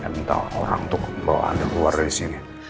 minta orang untuk membawa anda keluar dari sini